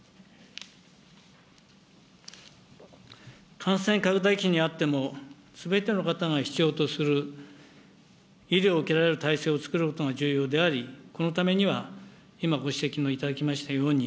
感染拡大期にあっても、すべての方が必要とする医療を受けられる体制を作ることが重要であり、このためには今、ご指摘もいただきましたように、